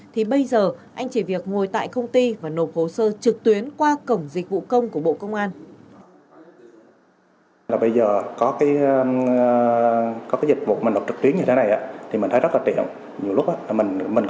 thì bây giờ anh chỉ việc ngồi tại công ty và nộp hồ sơ trực tuyến qua cổng dịch vụ công của bộ công an